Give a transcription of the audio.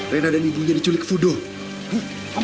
rena dan ibunya diculik ke voodoo